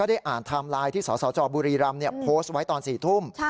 ได้อ่านไทม์ไลน์ที่สศบุรีรัมน์โพสต์ไว้๔ทุ่ม